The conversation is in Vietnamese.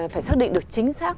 phải xác định được chính xác